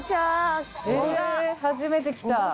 初めて来た。